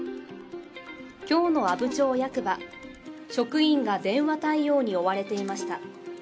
今日の阿武町役場、職員が電話対応に追われていました。